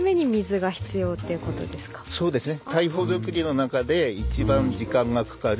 そうですね。